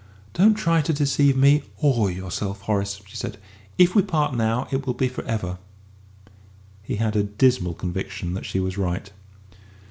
"Don't try to deceive me or yourself, Horace," she said; "if we part now, it will be for ever." He had a dismal conviction that she was right.